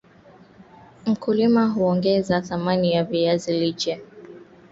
mkulima huongeza thamani ya viazi lishe